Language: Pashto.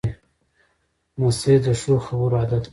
لمسی د ښو خبرو عادت لري.